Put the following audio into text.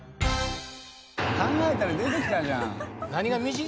考えたら出てきたじゃん。